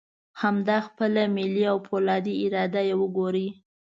همدا خپله ملي او فولادي اراده یې وګورئ.